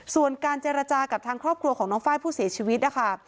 ส่วนการเจรจากับทางครอบครัวของน้องไฟล์ผู้เสียชีวิตนะคะ